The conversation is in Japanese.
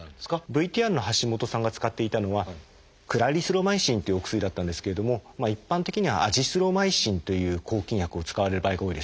ＶＴＲの橋下さんが使っていたのはクラリスロマイシンというお薬だったんですけれども一般的にはアジスロマイシンという抗菌薬を使われる場合が多いです。